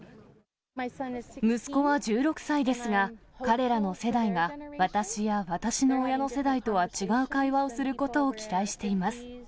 息子は１６歳ですが、彼らの世代が私や私の親の世代とは違う会話をすることを期待しています。